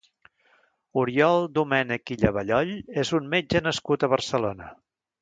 Oriol Domènec i Llavallol és un metge nascut a Barcelona.